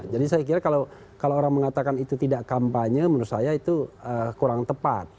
jadi saya kira kalau orang mengatakan itu tidak kampanye menurut saya itu kurang tepat